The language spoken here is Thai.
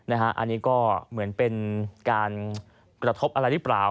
อันนี้ก็เหมือนเป็นการกระทบอะไรหรือเปล่า